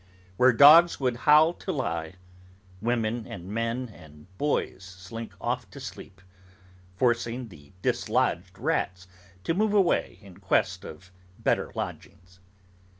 Where dogs would howl to lie, women, and men, and boys slink off to sleep, forcing the dislodged rats to move away in quest of better lodgings.